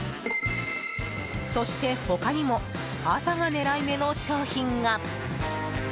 そして、他にも朝が狙い目の商品が。